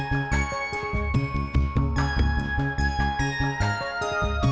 gak tau mamahku masak apa